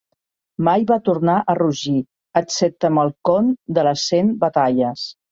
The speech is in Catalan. Mai va tornar a rugir, excepte amb el Conn de les Cent Batalles.